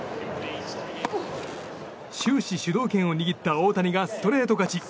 終始主導権を握った大谷がストレート勝ち。